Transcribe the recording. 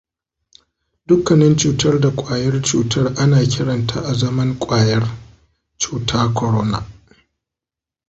Dukkanin cutar da kwayar cutar ana kiranta azaman ƙwayar “cuta corona”